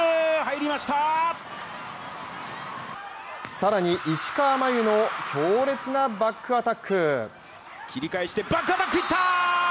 更に、石川真佑の強烈なバックアタック！